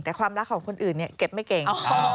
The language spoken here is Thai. แต่ความรักของคนอื่นเนี่ยเก็บไม่เก่ง